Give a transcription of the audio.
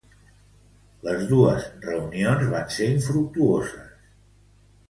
Les dos reunions van ser infructuoses.